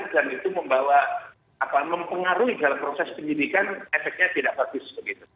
dan itu membawa apa mempengaruhi dalam proses penyidikan efeknya tidak bagus